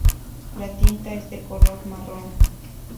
La tinta es de color marrón.